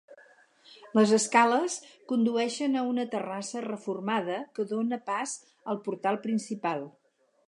Les escales condueixen a una terrassa reformada que dóna pas al portal principal.